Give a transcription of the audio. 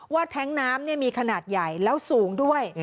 แท้งน้ำมีขนาดใหญ่แล้วสูงด้วย